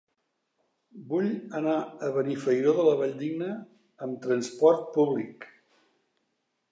Vull anar a Benifairó de la Valldigna amb transport públic.